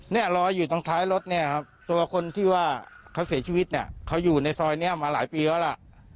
เนี่ยรอยอยู่ตรงท้ายรถเนี่ยครับตัวคนที่ว่าเขาเสียชีวิตเนี่ยเขาอยู่ในซอยนี้มาหลายปีแล้วล่ะ